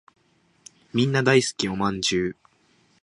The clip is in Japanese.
みんな大好きお饅頭